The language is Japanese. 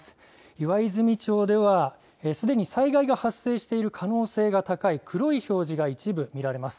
岩泉町では、すでに災害が発生している可能性が高い黒い表示が一部見られます。